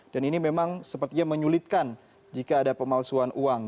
dan ini memang sepertinya menyulitkan jika ada pemalsuan uang